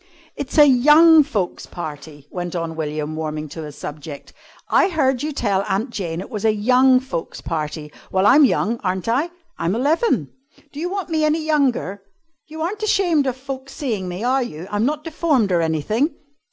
"It's a young folks' party," went on William, warming to his subject. "I heard you tell Aunt Jane it was a young folks' party. Well, I'm young, aren't I? I'm eleven. Do you want me any younger? You aren't ashamed of folks seeing me, are you! I'm not deformed or anything."